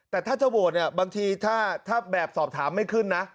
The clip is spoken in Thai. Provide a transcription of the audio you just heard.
แต่ถ้าจะโหวตเนี่ยบางทีถ้าแบบสอบถามไม่ขึ้นนะ